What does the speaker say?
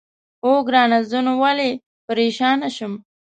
اوه، ګرانه زه نو ولې پرېشانه شم؟